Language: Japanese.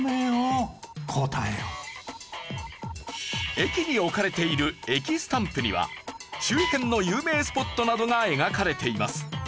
駅に置かれている駅スタンプには周辺の有名スポットなどが描かれています。